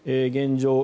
現状